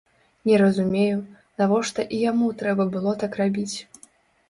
Не разумею, навошта і яму трэба было так рабіць.